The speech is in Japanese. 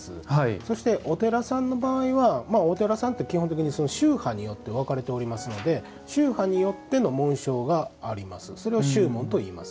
そして、お寺さんの場合はお寺さんって基本的に宗派によって分かれておりますので宗派によっての紋章があります。